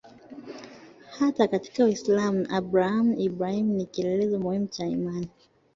Hata katika Uislamu Abrahamu-Ibrahimu ni kielelezo muhimu cha imani.